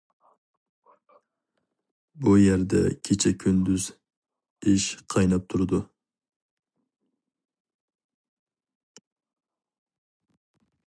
بۇ يەردە كېچە-كۈندۈز ئىش قايناپ تۇرىدۇ.